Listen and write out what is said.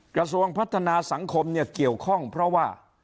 กระทรวงพัฒนาสังคมเนี่ยเกี่ยวข้องเพราะว่า